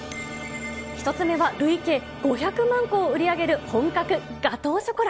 １つ目は累計５００万個を売り上げる本格ガトーショコラ。